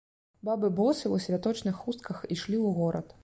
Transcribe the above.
Бабы босыя, у святочных хустках, ішлі ў горад.